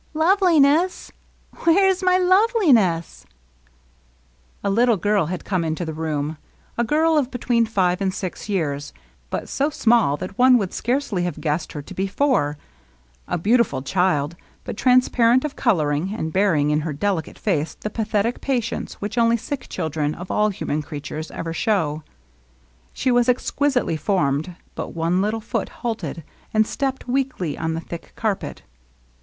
" Loveliness ! Where 's my Xot?e li ness ?" A little girl had come into the room, a girl of between five and six years, but so small that one would scarcely have guessed her to be four, — a beautiful child, but transparent of coloring, and bearing in her delicate face the pathetic patience which only sick children, of all human creatures, ever show. She was exquisitely formed, but one little foot halted and stepped weakly on the thick carpet.